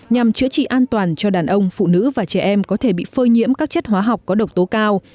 nhằm chữa trị an toàn cho đàn ông phụ nữ và trẻ em có thể bị phơi nhiễm các chất hóa học có độc tố cao